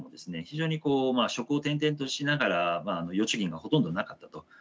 非常にこう職を転々としながら預貯金がほとんどなかったと。